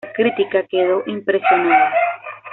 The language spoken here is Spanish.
La crítica quedó impresionada.